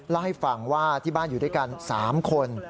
เล่าให้ฟังว่าที่บ้านอยู่ด้วยกัน๓คน